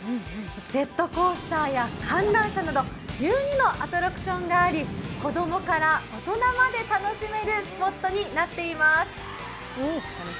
ジェットコースターや観覧車など１２のアトラクションがあり、子供から大人まで楽しめるスポットになっています。